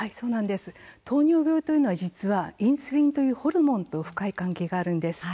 糖尿病というのは実はインスリンというホルモンと深い関係があるんです。